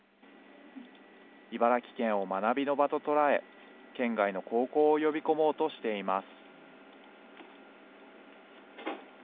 茨城県を学びの場と捉え、県外の高校を呼び込もうとしています。